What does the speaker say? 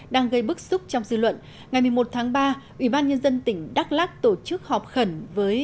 đang gây bức xúc trong dư luận ngày một mươi một tháng ba ubnd tỉnh đắk lắc tổ chức họp khẩn với